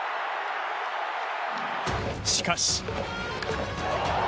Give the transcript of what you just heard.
しかし。